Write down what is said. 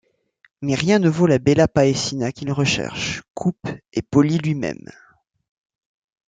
Mais rien ne vaut la bella paesina qu’il recherche, coupe et polit lui-même.